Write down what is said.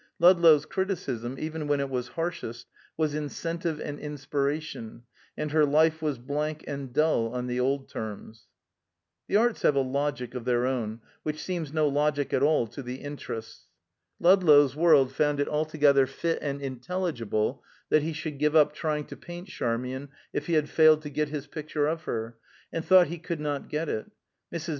Ludlow's criticism, even when it was harshest, was incentive and inspiration; and her life was blank and dull on the old terms. The arts have a logic of their own, which seems no logic at all to the interests. Ludlow's world found it altogether fit and intelligible that he should give up trying to paint Charmian if he had failed to get his picture of her, and thought he could not get it. Mrs.